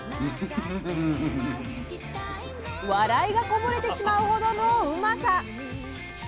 笑いがこぼれてしまうほどのうまさ！